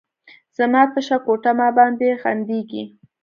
زما تشه کوټه، ما باندې خندیږې